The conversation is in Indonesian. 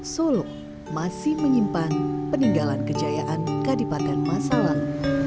solo masih menyimpan peninggalan kejayaan kadipatan masalah